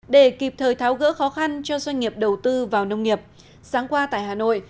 để kịp thời tháo gỡ khó khăn cho doanh nghiệp đầu tư vào nông nghiệp sáng qua tại hà nội